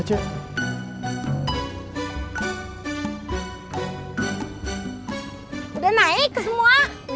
udah naik ke semua